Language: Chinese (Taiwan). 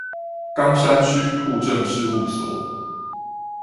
岡山區戶政事務所